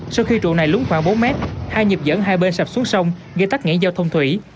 sau khi trụ này lúng khoảng bốn mét hai nhịp dẫn hai bên sập xuống sông gây tắc nghẽn giao thông thủy